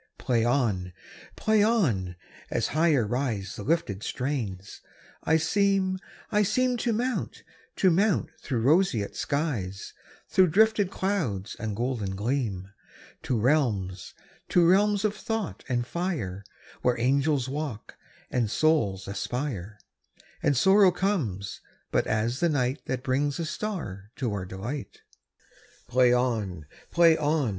Play on! Play on! As higher riseThe lifted strains, I seem, I seemTo mount, to mount through roseate skies, Through drifted cloud and golden gleam, To realms, to realms of thought and fire, Where angels walk and souls aspire, And sorrow comes but as the nightThat brings a star for our delight. Play on! Play on!